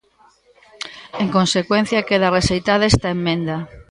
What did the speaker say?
En consecuencia, queda rexeitada esta emenda.